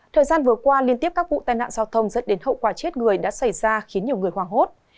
thời gian vừa qua liên tiếp các vụ tai nạn giao thông dẫn đến hậu quả chết người đã xảy ra khiến nhiều người hoảng hốt